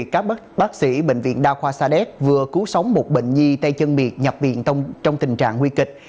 các bác sĩ bệnh viện đa khoa sa đéc vừa cứu sống một bệnh nhi tay chân miệt nhập viện trong tình trạng nguy kịch